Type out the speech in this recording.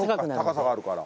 高さがあるから。